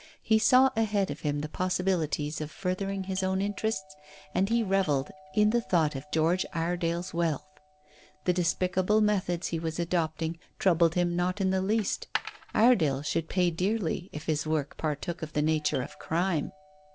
He saw ahead of him the possibilities of furthering his own interests, and he revelled in the thought of George Iredale's wealth. The despicable methods he was adopting troubled him not in the least. Iredale should pay dearly if his work partook of the nature of crime.